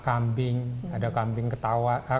kambing ada kambing ketawa